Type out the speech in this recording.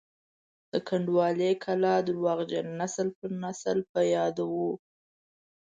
د کنډوالې کلا درواغجن نسل پر نسل په یادو وو.